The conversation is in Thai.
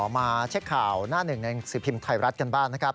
มาเช็คข่าวหน้าหนึ่งหนังสือพิมพ์ไทยรัฐกันบ้างนะครับ